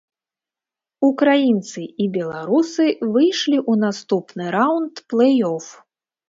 Украінцы і беларусы выйшлі ў наступны раўнд плэй-оф.